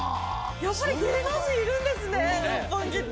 やっぱり芸能人いるんですね、六本木って。